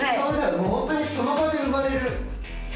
本当にその場で生まれる。